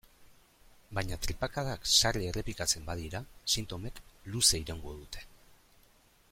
Baina tripakadak sarri errepikatzen badira, sintomek luze iraungo dute.